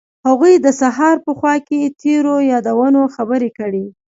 هغوی د سهار په خوا کې تیرو یادونو خبرې کړې.